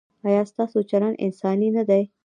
ایا ستاسو چلند انساني نه دی؟